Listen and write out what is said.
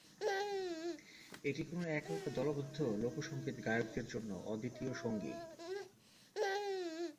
এটি কোনও একক বা দলবদ্ধ লোকসঙ্গীত গায়কদের জন্য অদ্বিতীয় সঙ্গী।